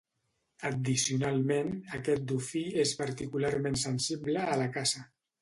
Addicionalment, aquest dofí és particularment sensible a la caça.